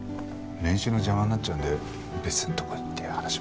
練習の邪魔になっちゃうんで別のとこ行って話しません？